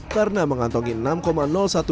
karena mengantongi enam komandan jelana